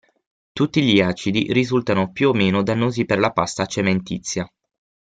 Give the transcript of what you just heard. Tutti gli acidi risultano più o meno dannosi per la pasta cementizia.